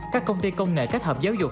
các công ty công nghệ kết hợp giáo dục